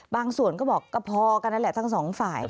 บางส่วนก็บอกก็พอกันนั่นแหละทั้งสองฝ่าย